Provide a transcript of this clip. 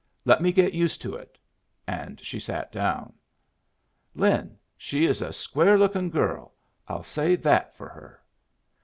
'Let me get used to it.' And she sat down. "Lin, she is a square lookin' girl. I'll say that for her.